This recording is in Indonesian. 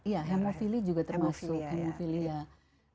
ya hemofilia juga termasuk